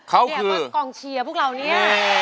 เนี่ยก็กองเชียร์พวกเราเนี่ย